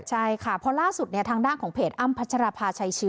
ใช่ค่ะเพราะล่าสุดทางด้านของเพจอ้ำพัชราภาชัยเชื้อ